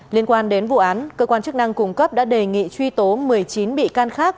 liên quan đến vụ án cơ quan chức năng cung cấp đã đề nghị truy tố một mươi chín bị can khác